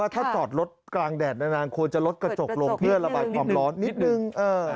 ถ้าจอดรถกลางแดดนานควรจะลดกระจกลงเพื่อระบายความร้อนนิดนึง